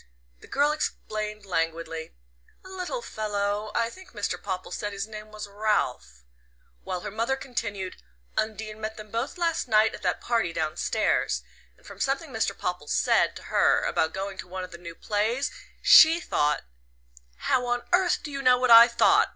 The girl explained languidly: "A little fellow I think Mr. Popple said his name was Ralph"; while her mother continued: "Undine met them both last night at that party downstairs. And from something Mr. Popple said to her about going to one of the new plays, she thought " "How on earth do you know what I thought?"